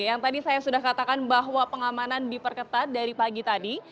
yang tadi saya sudah katakan bahwa pengamanan diperketat dari pagi tadi